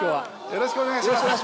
よろしくお願いします。